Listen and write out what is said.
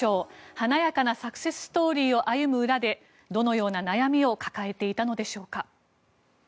華やかなサクセスストーリーを歩む裏でどのような悩みを抱えていたのでしょうか。